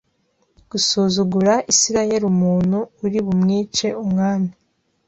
gusuzugura Isirayeli Umuntu uri bumwice umwami